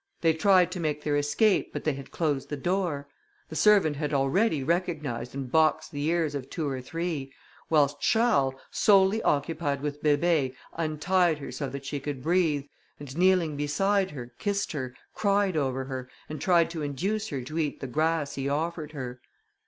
They tried to make their escape, but they had closed the door. The servant had already recognised and boxed the ears of two or three, whilst Charles, solely occupied with Bébé, untied her so that she could breathe, and kneeling beside her, kissed her, cried over her, and tried to induce her to eat the grass he offered her.